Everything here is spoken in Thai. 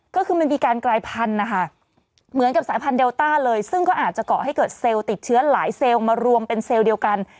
ก็คือมันมีการกลายพันธุ์นะคะเหมือนกับสายพันธุเดลต้าเลยซึ่งก็อาจจะเกาะให้เกิดเซลล์ติดเชื้อหลายเซลล์มารวมเป็นเซลล์เดียวกัน